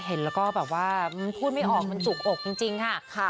เห็นแล้วก็แบบว่ามันพูดไม่ออกมันจุกอกจริงค่ะ